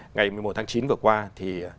ngày một mươi một tháng chín vừa qua thì